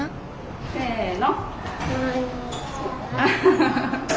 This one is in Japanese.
せの。